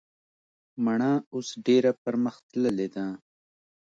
مڼه اوس ډیره پرمختللي ده